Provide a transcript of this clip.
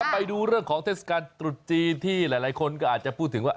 ไปดูเรื่องของเทศกาลตรุษจีนที่หลายคนก็อาจจะพูดถึงว่า